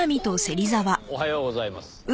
おはようございます。